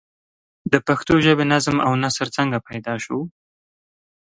د پښتو ژبې نظم او نثر څنگه پيدا شو؟